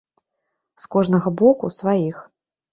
З кожнага боку сваіх.